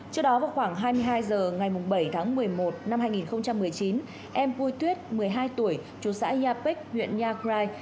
trước đó vào khoảng hai mươi hai h ngày bảy tháng một mươi một năm hai nghìn một mươi chín em vui tuyết một mươi hai tuổi chú xã yapic huyện nhai